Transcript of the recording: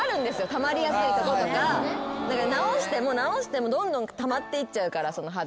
たまりやすいとことか直しても直してもどんどんたまっていっちゃうから肌が。